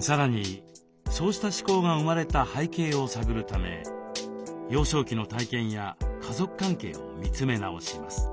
さらにそうした思考が生まれた背景を探るため幼少期の体験や家族関係を見つめ直します。